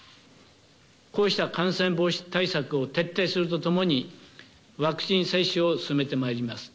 こうした感染防止対策を徹底するとともに、ワクチン接種を進めてまいります。